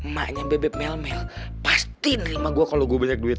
maknya bebek melmel pasti nerima gue kalo gue banyak duit